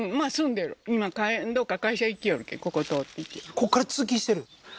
こっから通勤してる？